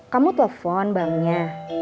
kamu telepon bangnya